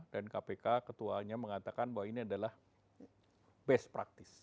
dan kpk ketuanya mengatakan bahwa ini adalah best practice